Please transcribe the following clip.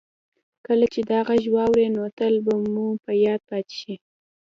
کله چې دا غږ واورئ نو تل مو په یاد پاتې کیږي